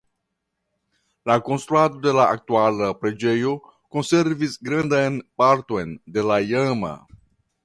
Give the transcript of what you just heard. La konstruado de la aktuala preĝejo konservis grandan parton de la iama.